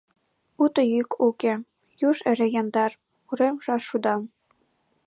Уто йӱк уке, юж эре яндар, урем шаршудан.